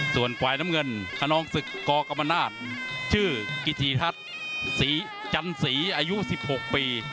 ส่วนฝ่ายน้ำเงินขนองศึกกกรรมนาศชื่อกิธีทัศน์ศรีจันสีอายุ๑๖ปี